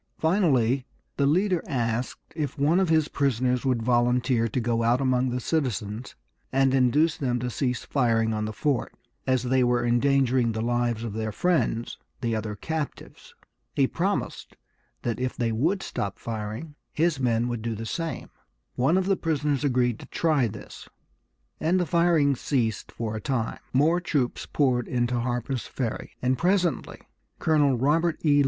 Finally the leader asked if one of his prisoners would volunteer to go out among the citizens and induce them to cease firing on the fort, as they were endangering the lives of their friends, the other captives. He promised that if they would stop firing his men would do the same. One of the prisoners agreed to try this, and the firing ceased for a time. More troops poured into Harper's Ferry, and presently Colonel Robert E.